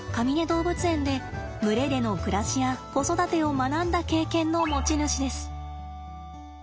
動物園で群れでの暮らしや子育てを学んだ経験の持ち主です。